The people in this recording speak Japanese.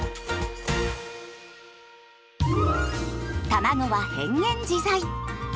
たまごは変幻自在。